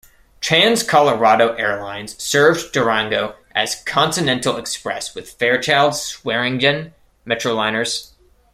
Trans-Colorado Airlines served Durango as Continental Express with Fairchild Swearingen Metroliners.